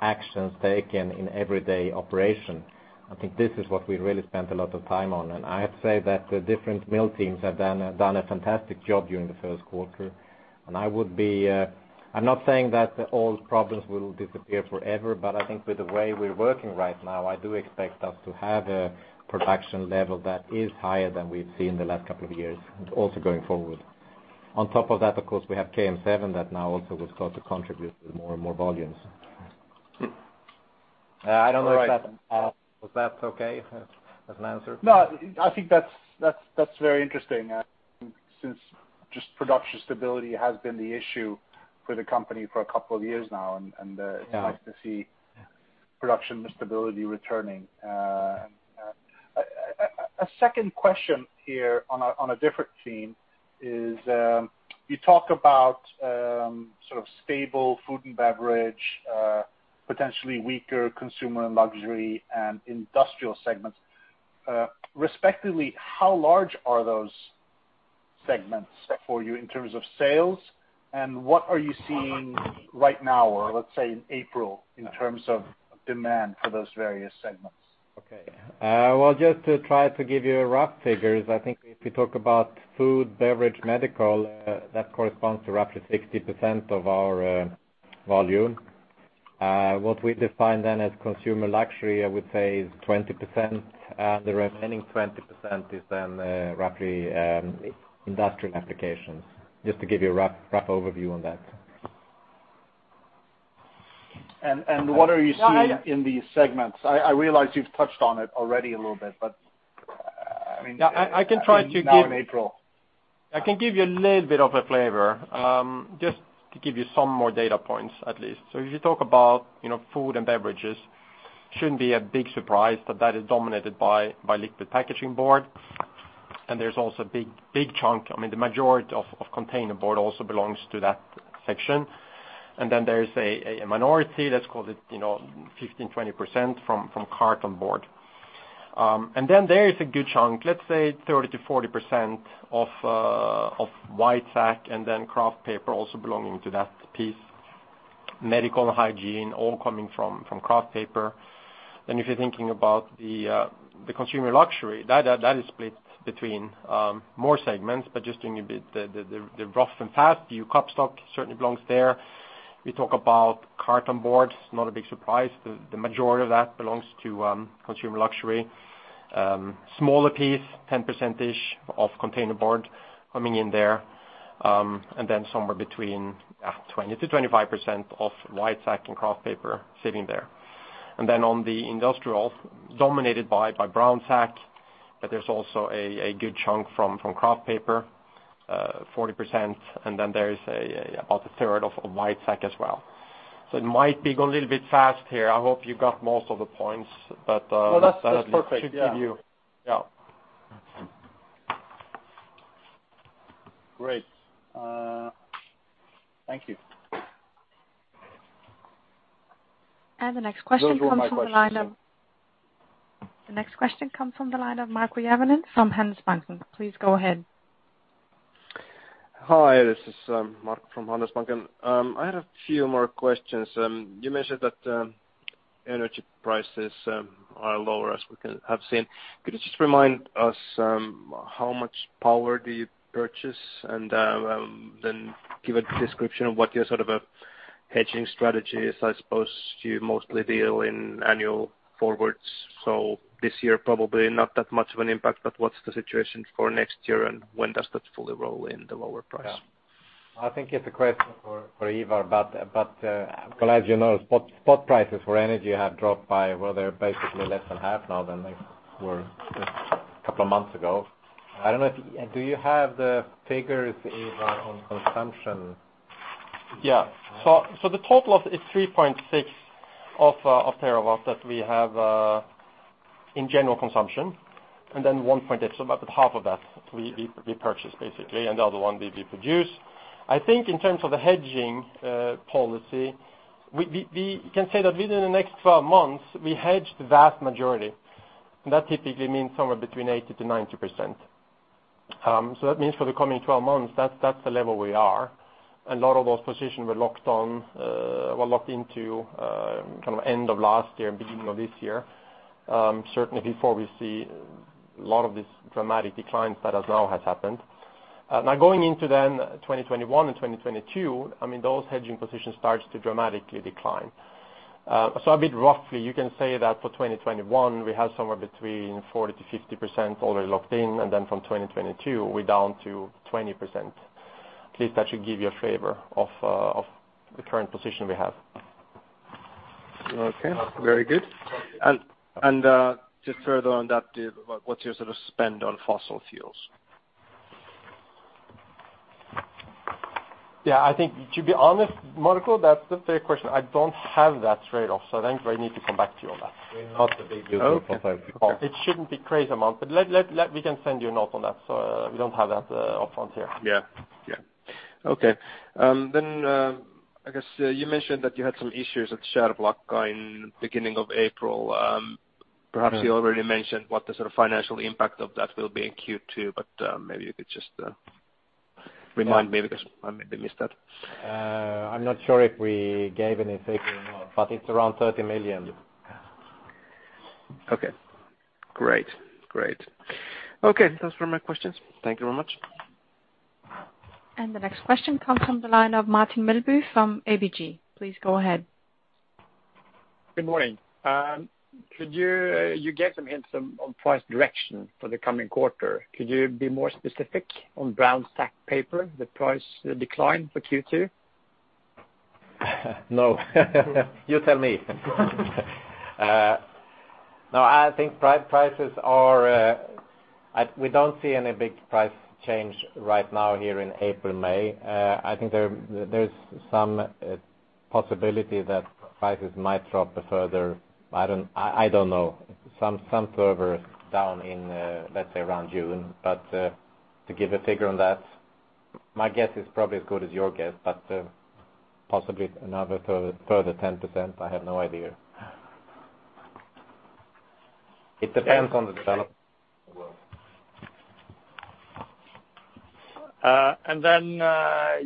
actions taken in everyday operation. I think this is what we really spent a lot of time on, and I have to say that the different mill teams have done a fantastic job during the first quarter. I'm not saying that all problems will disappear forever, but I think with the way we're working right now, I do expect us to have a production level that is higher than we've seen the last couple of years, and also going forward. On top of that, of course, we have KM7 that now also was got to contribute with more and more volumes. I don't know. Was that okay as an answer? No, I think that's very interesting since just production stability has been the issue for the company for a couple of years now, and it's nice to see production stability returning. A second question here on a different theme is, you talk about stable food and beverage. Potentially weaker consumer and luxury and industrial segments. Respectively, how large are those segments for you in terms of sales, and what are you seeing right now or let's say in April, in terms of demand for those various segments? Okay. Well, just to try to give you rough figures, I think if we talk about food, beverage, medical, that corresponds to roughly 60% of our volume. What we define then as consumer luxury, I would say is 20%, and the remaining 20% is then roughly industrial applications. Just to give you a rough overview on that. What are you seeing in these segments? I realize you've touched on it already a little bit, but- Yeah. now in April. I can give you a little bit of a flavor. To give you some more data points, at least. If you talk about food and beverages, shouldn't be a big surprise that that is dominated by liquid packaging board. There's also a big chunk, the majority of containerboard also belongs to that section. There is a minority, let's call it 15%-20% from cartonboard. There is a good chunk, let's say 30%-40% of white sack and then kraft paper also belonging to that piece. Medical hygiene, all coming from kraft paper. If you're thinking about the consumer luxury, that is split between more segments, but just doing a bit the rough and fast view, cup stock certainly belongs there. We talk about cartonboards, not a big surprise. The majority of that belongs to consumer luxury. Smaller piece, 10%-ish of containerboard coming in there. Somewhere between 20%-25% of white sack and kraft paper sitting there. On the industrial, dominated by brown sack, but there's also a good chunk from kraft paper, 40%, and then there is about a third of white sack as well. It might be going a little bit fast here. I hope you got most of the points- No, that's perfect. Yeah. should give you. Yeah. Great. Thank you. The next question comes from the line of- Those were my questions. The next question comes from the line of Markku Järvinen from Handelsbanken. Please go ahead. Hi, this is Markku from Handelsbanken. I had a few more questions. You mentioned that energy prices are lower as we have seen. Could you just remind us how much power do you purchase and then give a description of what your hedging strategy is? I suppose you mostly deal in annual forwards, so this year probably not that much of an impact, but what's the situation for next year and when does that fully roll in, the lower price? I think it's a question for Ivar, but as you know, spot prices for energy have dropped by, well, they're basically less than half now than they were just a couple of months ago. Do you have the figures, Ivar, on consumption? The total is 3.6 of terawatts that we have in general consumption, and then 1.8, about half of that, we purchase basically, and the other one we produce. I think in terms of the hedging policy, we can say that within the next 12 months, we hedged the vast majority, and that typically means somewhere between 80%-90%. A lot of those positions were locked into end of last year and beginning of this year. Certainly before we see a lot of these dramatic declines that has now happened. Going into 2021 and 2022, those hedging positions start to dramatically decline. A bit roughly, you can say that for 2021, we have somewhere between 40%-50% already locked in, and from 2022, we're down to 20%. At least that should give you a flavor of the current position we have. Okay. Very good. Just further on that, what's your sort of spend on fossil fuels? Yeah, I think to be honest, Markku, that's a fair question. I don't have that trade-off, so I think I need to come back to you on that. We're not a big user of fossil fuel. Okay. It shouldn't be crazy amount. We can send you a note on that. We don't have that upfront here. Yeah. Okay. I guess you mentioned that you had some issues at Skärblacka in beginning of April. Perhaps you already mentioned what the sort of financial impact of that will be in Q2, but maybe you could just remind me, because I maybe missed that. I'm not sure if we gave any figure or not, but it's around 30 million. Okay. Great. Okay. Those were my questions. Thank you very much. The next question comes from the line of Martin Melbye from ABG. Please go ahead. Good morning. You gave some hints on price direction for the coming quarter. Could you be more specific on brown sack paper, the price decline for Q2? No. You tell me. I think we don't see any big price change right now here in April, May. I think there's some possibility that prices might drop further. I don't know, some further down in, let's say around June. My guess is probably as good as your guess, but possibly another further 10%. I have no idea. It depends on the development.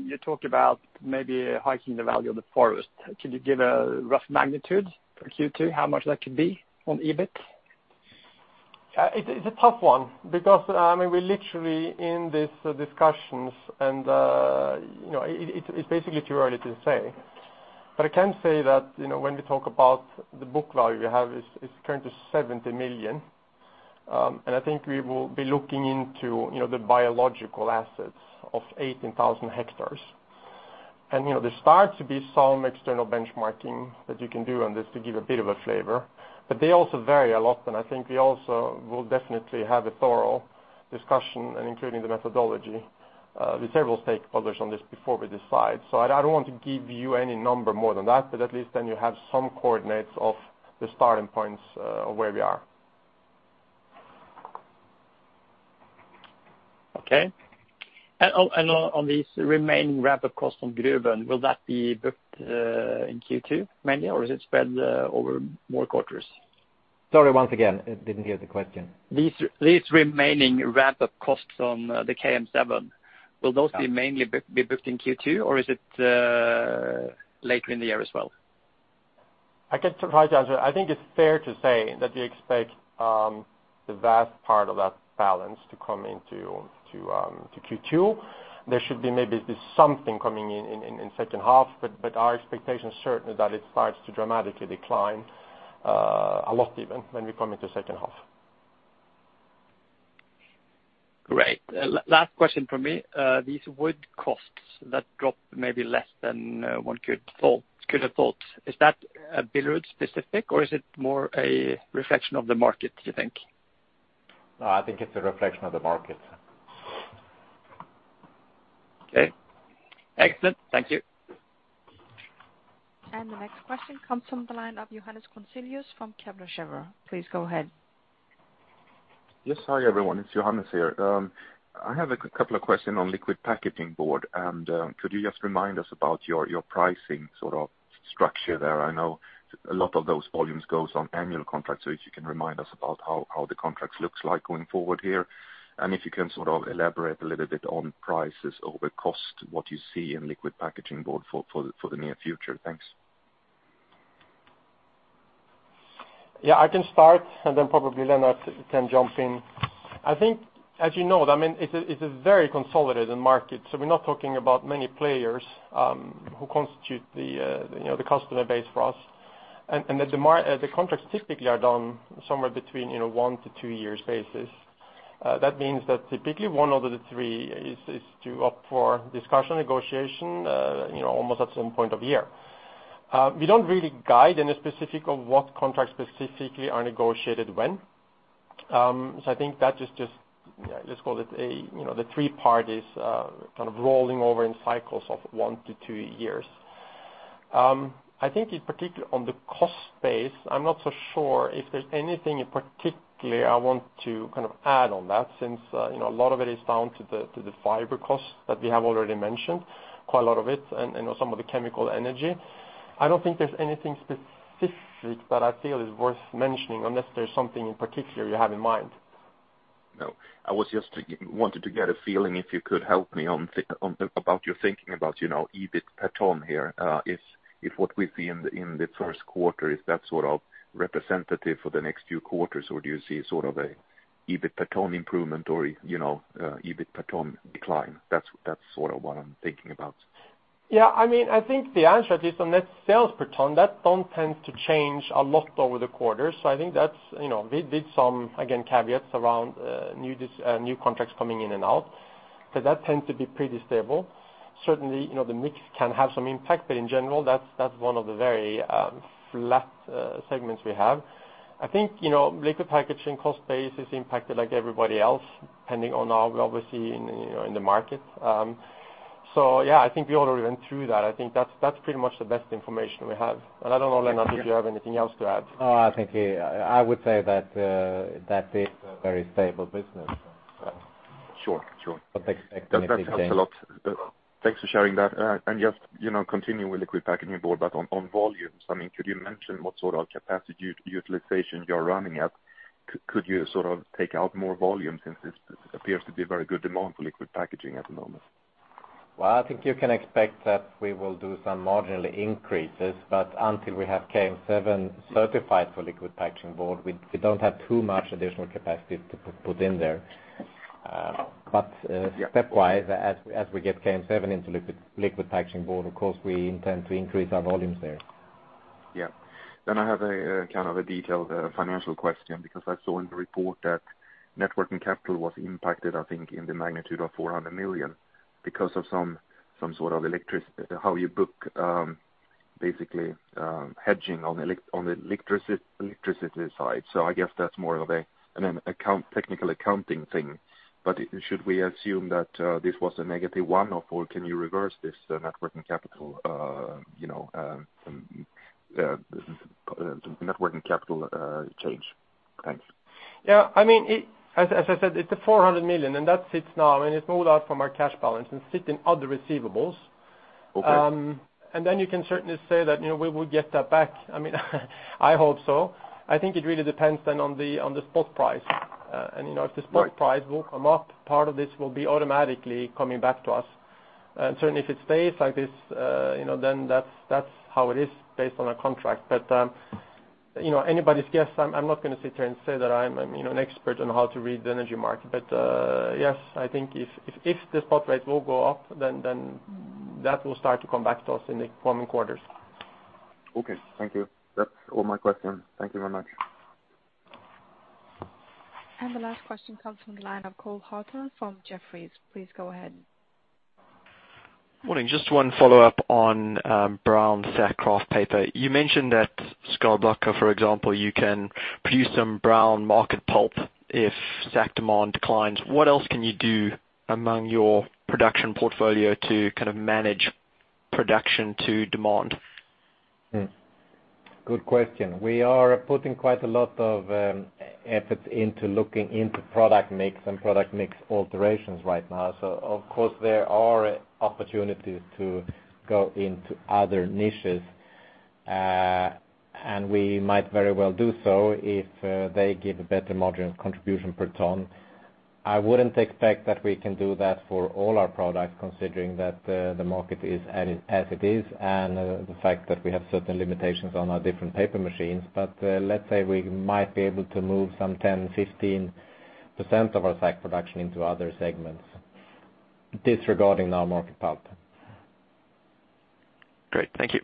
You talk about maybe hiking the value of the forest. Could you give a rough magnitude for Q2, how much that could be on EBIT? It's a tough one because we're literally in these discussions, and it's basically too early to say. I can say that when we talk about the book value we have, it's currently 70 million. I think we will be looking into the biological assets of 18,000 hectares. There starts to be some external benchmarking that you can do on this to give a bit of a flavor, but they also vary a lot, and I think we also will definitely have a thorough discussion including the methodology. The [table stake] published on this before we decide. I don't want to give you any number more than that, but at least then you have some coordinates of the starting points of where we are. Okay. On these remaining ramp-up costs on Gruvön, will that be booked in Q2 mainly, or is it spread over more quarters? Sorry, once again, I didn't hear the question. These remaining ramp-up costs on the KM7, will those be mainly booked in Q2 or is it later in the year as well? I think it's fair to say that we expect the vast part of that balance to come into Q2. There should be maybe something coming in the second half. Our expectation is certainly that it starts to dramatically decline, a lot even, when we come into the second half. Great. Last question from me. These wood costs that dropped maybe less than one could have thought. Is that Billerud-specific or is it more a reflection of the market, do you think? No, I think it's a reflection of the market. Okay. Excellent. Thank you. The next question comes from the line of Johannes Grunselius from Kepler Cheuvreux. Please go ahead. Yes. Hi, everyone. It's Johannes here. I have a couple of questions on liquid packaging board. Could you just remind us about your pricing structure there? I know a lot of those volumes goes on annual contracts. If you can remind us about how the contracts looks like going forward here, and if you can sort of elaborate a little bit on prices over cost, what you see in liquid packaging board for the near future. Thanks. Yeah, I can start and then probably Lennart can jump in. I think as you know, it's a very consolidated market, so we're not talking about many players who constitute the customer base for us. The contracts typically are done somewhere between one to two years basis. That means that typically one out of the three is due up for discussion, negotiation, almost at some point of the year. We don't really guide any specific of what contracts specifically are negotiated when. I think that is just, let's call it the three parties kind of rolling over in cycles of one to two years. I think in particular on the cost base, I'm not so sure if there's anything in particular I want to add on that since a lot of it is down to the fiber cost that we have already mentioned, quite a lot of it, and some of the chemical energy. I don't think there's anything specific that I feel is worth mentioning unless there's something in particular you have in mind. No. I just wanted to get a feeling, if you could help me about your thinking about EBIT per ton here. If what we see in the first quarter, is that sort of representative for the next few quarters, or do you see an EBIT per ton improvement or EBIT per ton decline? That's what I'm thinking about. I think the answer, at least on net sales per ton, that don't tend to change a lot over the quarter. I think with some, again, caveats around new contracts coming in and out, but that tends to be pretty stable. Certainly, the mix can have some impact, but in general, that's one of the very flat segments we have. I think liquid packaging cost base is impacted like everybody else, depending on how we obviously in the market. I think we already went through that. I think that's pretty much the best information we have. I don't know, Lennart, if you have anything else to add. No, I think I would say that that is a very stable business. Sure. Sure. Expecting a big change. That makes sense a lot. Thanks for sharing that. Just continuing with liquid packaging board, but on volumes, could you mention what sort of capacity utilization you're running at? Could you take out more volume since this appears to be very good demand for liquid packaging at the moment? Well, I think you can expect that we will do some marginal increases. Until we have KM7 certified for liquid packaging board, we don't have too much additional capacity to put in there. Stepwise, as we get KM7 into liquid packaging board, of course, we intend to increase our volumes there. Yeah. I have a detailed financial question, because I saw in the report that net working capital was impacted, I think, in the magnitude of 400 million because of how you book basically hedging on the electricity side. I guess that's more of a technical accounting thing. Should we assume that this was a negative one, or can you reverse this net working capital change? Thanks. As I said, it's a 400 million, and that sits now, and it's moved out from our cash balance and sits in other receivables. Okay. You can certainly say that, we will get that back. I hope so. I think it really depends then on the spot price. If the spot price will come up, part of this will be automatically coming back to us. Certainly if it stays like this, then that's how it is based on a contract. Anybody's guess. I'm not going to sit here and say that I'm an expert on how to read the energy market. Yes, I think if the spot price will go up, then that will start to come back to us in the coming quarters. Okay, thank you. That's all my questions. Thank you very much. The last question comes from the line of Cole Hathorn from Jefferies. Please go ahead. Morning. Just one follow-up on brown sack kraft paper. You mentioned that Skärblacka, for example, you can produce some brown market pulp if sack demand declines. What else can you do among your production portfolio to manage production to demand? Good question. We are putting quite a lot of efforts into looking into product mix and product mix alterations right now. Of course, there are opportunities to go into other niches, and we might very well do so if they give a better margin contribution per ton. I wouldn't expect that we can do that for all our products, considering that the market is as it is, and the fact that we have certain limitations on our different paper machines. Let's say we might be able to move some 10%, 15% of our sack production into other segments, disregarding our market pulp. Great. Thank you.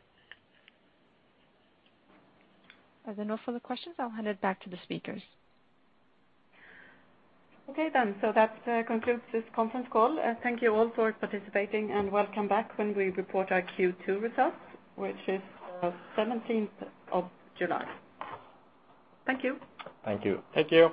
As there are no further questions, I'll hand it back to the speakers. Okay, then. That concludes this conference call. Thank you all for participating, and welcome back when we report our Q2 results, which is the 17th of July. Thank you. Thank you. Thank you.